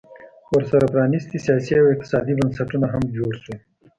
ورسره پرانیستي سیاسي او اقتصادي بنسټونه هم جوړ شول